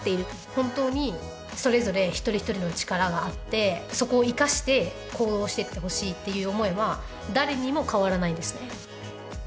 本当にそれぞれ一人一人の力があってそこを生かして行動してってほしいっていう思いは誰にも変わらないですね